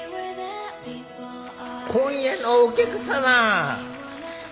今夜のお客様！